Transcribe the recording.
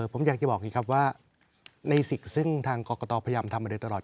ผมอยากจะบอกว่าในสิ่งซึ่งทางกรกตพยายามทำมาเดียวตลอด